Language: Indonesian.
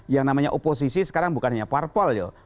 yang namanya oposisi sekarang bukan hanya parpol gitu